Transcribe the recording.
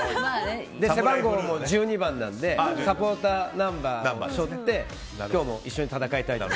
背番号も１２番なのでサポーターナンバーを背負って今日も一緒に戦いなと。